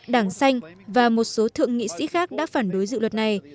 đảng xanh và một số thượng nghị sĩ khác đã phản đối dự luật này